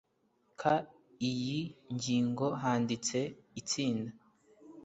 Ka iyi ngingo handitse itsinda